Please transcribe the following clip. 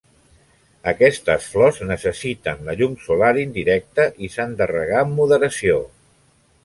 Aquestes flors necessiten la llum solar indirecta i s'han regar amb moderació.